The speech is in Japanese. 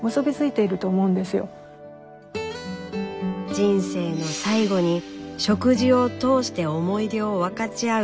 人生の最後に食事を通して思い出をわかちあう。